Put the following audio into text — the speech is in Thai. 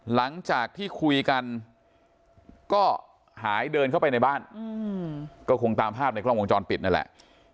หลังจากที่คุยกันก็หายเดินเข้าไปในบ้านก็คงตามภาพในกล้องวงจรปิดนั่นแหละ